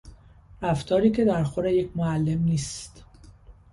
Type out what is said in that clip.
رفتاری که در خور یک معلم نیست